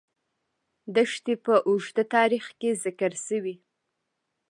دښتې په اوږده تاریخ کې ذکر شوې.